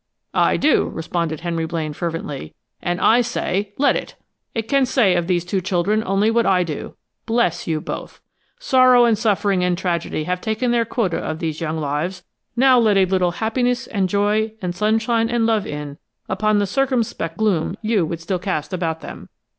"I do!" responded Henry Blaine fervently. "And I say let it! It can say of these two children only what I do bless you, both! Sorrow and suffering and tragedy have taken their quota of these young lives now let a little happiness and joy and sunshine and love in upon the circumspect gloom you would still cast about them!